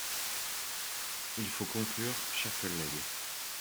Il faut conclure, cher collègue.